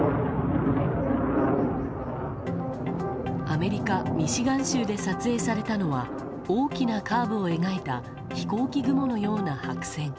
アメリカ・ミシガン州で撮影されたのは大きなカーブを描いた飛行機雲のような白線。